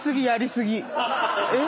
えっ？